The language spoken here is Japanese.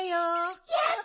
やった！